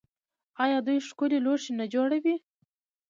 آیا دوی ښکلي لوښي نه جوړوي؟